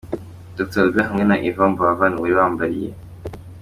Dr Albert hamwe na Yvan Buravan wari wamwambariye.